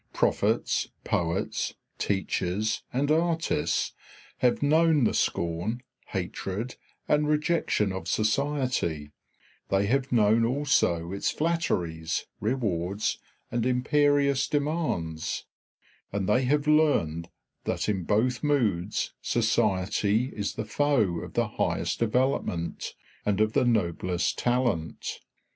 Prophets, poets, teachers, and artists have known the scorn, hatred, and rejection of society; they have known also its flatteries, rewards, and imperious demands; and they have learned that in both moods society is the foe of the highest development and of the noblest talent.